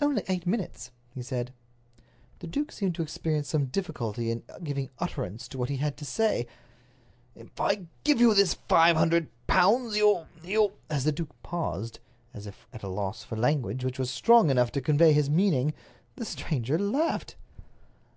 "Only eight minutes," he said. The duke seemed to experience some difficulty in giving utterance to what he had to say. "If I give you this five hundred pounds, you—you—" As the duke paused, as if at a loss for language which was strong enough to convey his meaning, the stranger laughed.